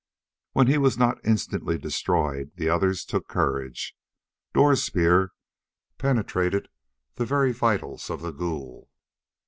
When he was not instantly destroyed the others took courage. Dor's spear penetrated the very vitals of the ghoul.